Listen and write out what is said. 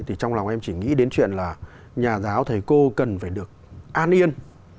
thì trong lòng em chỉ nghĩ đến chuyện là nhà giáo thầy cô cần phải được an yên